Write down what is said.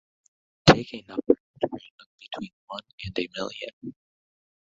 Take a number at random between one and a million.